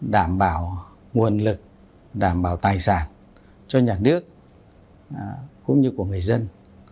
đảm bảo nguồn lực đảm bảo tài sản cho nhà nước cũng như của người dân